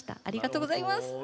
ありがとうございます。